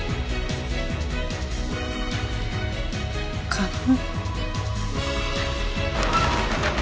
花粉？